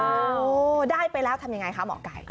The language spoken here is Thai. โอ้โหได้ไปแล้วทำยังไงคะหมอไก่